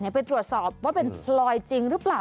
ไปตรวจสอบว่าเป็นพลอยจริงหรือเปล่า